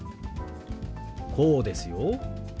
こうですよ。